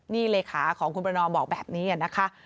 นี่เลขาของคุณประนอมบอกแบบนี้นะคะ